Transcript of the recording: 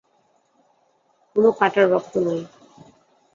কোনো কাটার রক্ত নয়।